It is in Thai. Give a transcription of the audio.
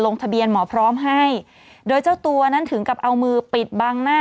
ทะเบียนหมอพร้อมให้โดยเจ้าตัวนั้นถึงกับเอามือปิดบังหน้า